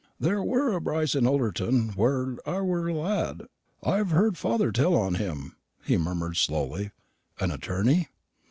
"There were a Brice in Ullerton when I were a lad; I've heard father tell on him," he murmured slowly. "An attorney?"